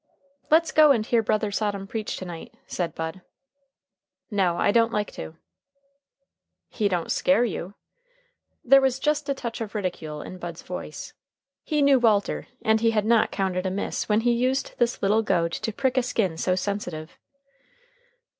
"Let's go and hear Brother Sodom preach to night," said Bud. "No, I don't like to." "He don't scare you?" There was just a touch of ridicule in Bud's voice. He knew Walter, and he had not counted amiss when he used this little goad to prick a skin so sensitive.